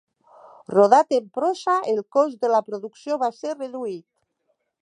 Rodat en prosa, el cost de la producció va ser reduït.